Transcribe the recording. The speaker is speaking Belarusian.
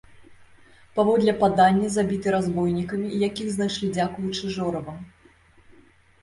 Паводле падання, забіты разбойнікамі, якіх знайшлі дзякуючы жоравам.